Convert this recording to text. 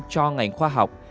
cho ngành khoa học